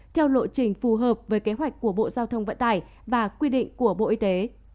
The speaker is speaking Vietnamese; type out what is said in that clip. theo lộ trình phù hợp với kế hoạch của bộ giao thông vận tải và quy định của bộ y tế